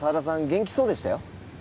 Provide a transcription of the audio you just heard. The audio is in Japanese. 元気そうでしたよ